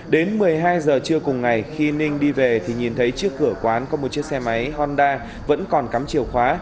đến một mươi hai giờ trưa cùng ngày khi ninh đi về thì nhìn thấy trước cửa quán có một chiếc xe máy honda vẫn còn cắm chìa khóa